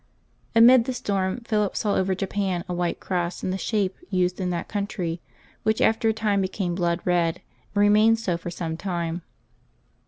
Amid the storm Philip saw over Japan a white cross, in the shape used in that country, which after a time became blood red, and remained so for some time.